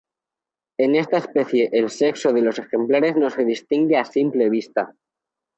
En esta especie el sexo de los ejemplares no se distingue a simple vista.